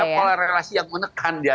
ada pola relasi yang menekan di antara